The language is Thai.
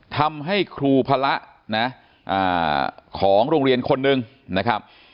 ทำให้ครูพระนะของโรงเรียนคนหนึ่งนะครับ